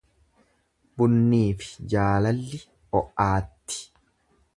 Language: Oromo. Bunniifi jaalalli o'aatti.